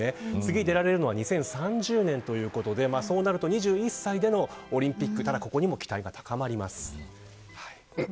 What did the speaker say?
次に出られるのは２０３０年ということでそうなると２１歳でのオリンピックただここにも期待が高まります。